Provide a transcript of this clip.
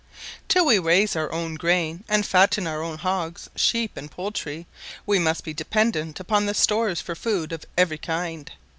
Till we raise our own grain and fatten our own hogs, sheep, and poultry, we must be dependent upon the stores for food of every kind.